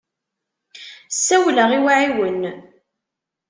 Ssawleɣ i uɛiwen.